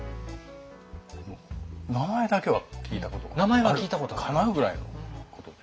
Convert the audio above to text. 名前だけは聞いたことがあるかなぐらいのことでした。